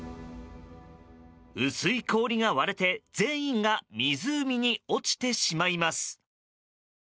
薄い氷が割れて全員が湖に落ちてしまいます。